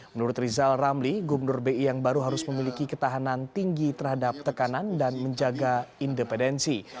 menurut rizal ramli gubernur bi yang baru harus memiliki ketahanan tinggi terhadap tekanan dan menjaga independensi